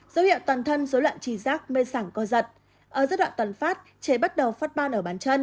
dấu hiệu toàn thân số loạn trì giác mê sảng co giật ở giai đoạn toàn phát trẻ bắt đầu phát ban ở bàn chân